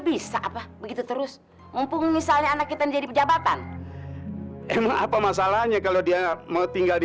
bisa apa begitu terus mumpung misalnya anak kita jadi pejabatan emang apa masalahnya kalau dia mau tinggal di